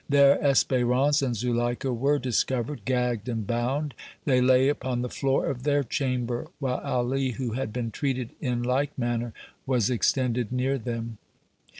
There Espérance and Zuleika were discovered gagged and bound; they lay upon the floor of their chamber, while Ali, who had been treated in like manner, was extended near them.